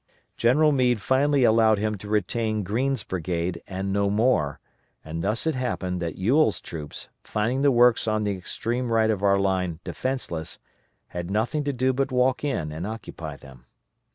General Meade finally allowed him to retain Greene's brigade, and no more, and thus it happened that Ewell's troops, finding the works on the extreme right of our line defenceless, had nothing to do but walk in and occupy them.